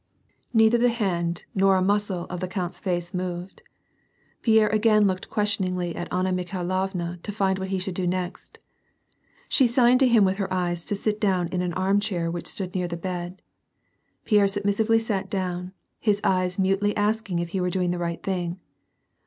Neither the hand nor a muscle of the count's War and peace. 97 face moved. Pierre again looked questioningly at Anna Mi khailovna to find what he should do next. She signed to him with her eyes, to sit down in an arm chair which stood near the bed. Pierre submissively sat down, his eyes mutely ask ing if he were doing the right thing.